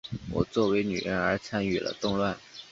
我作为女人而参与了动乱。